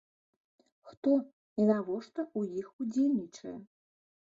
Хто і навошта ў іх удзельнічае?